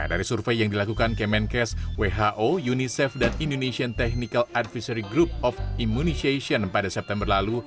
dari survei yang dilakukan kemenkes who unicef dan indonesian technical advisory group of immunization pada september lalu